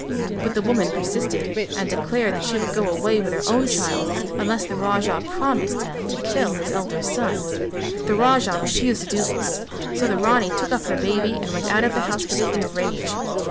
But the woman persisted and declared that she would go away with her own child unless the Raja promised to kill his elder son. The Raja refused to do this, so the Rani took up her baby and went out of the house with it in a rage.